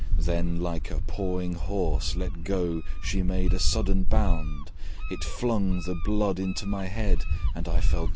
Then like a pawing horse let go, She made a sudden bound: It flung the blood into my head, And I fell down in a swound.